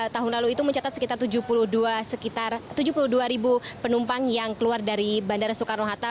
tahun lalu itu mencatat sekitar tujuh puluh dua ribu penumpang yang keluar dari bandara soekarno hatta